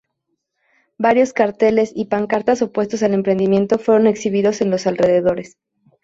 Varios carteles y pancartas opuestos al emprendimiento fueron exhibidos en los alrededores.